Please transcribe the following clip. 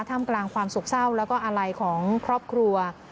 ท่ามกลางความสกเศร้าแล้วก็อะไรของครอบครัว